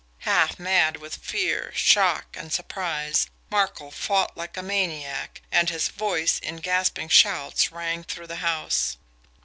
Half mad with fear, shock, and surprise, Markel fought like a maniac, and his voice, in gasping shouts, rang through the house.